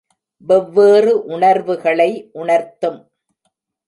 வெவ்வேறு உணர்வுகளை உணர்த்தும்.